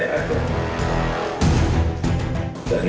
dan itu hanya miliknya presiden